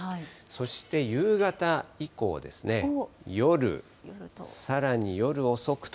そして夕方以降ですね、夜、さらに夜遅くと。